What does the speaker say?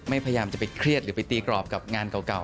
พยายามจะไปเครียดหรือไปตีกรอบกับงานเก่า